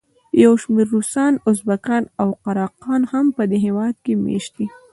یو شمېر روسان، ازبکان او قراقان هم په دې هېواد کې مېشت دي.